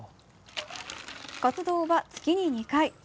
活動は月に２回。